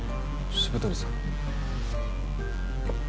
渋谷さん？